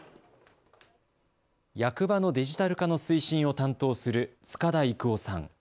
役場のデジタル化の推進を担当する塚田郁雄さん。